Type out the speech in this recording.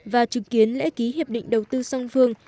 và chứng kiến lễ ký hiệp định đầu tư song phương